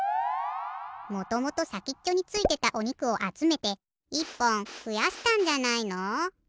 もともとさきっちょについてたおにくをあつめて１ぽんふやしたんじゃないの？